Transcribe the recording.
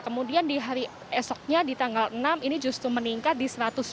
kemudian di hari esoknya di tanggal enam ini justru meningkat di satu ratus dua puluh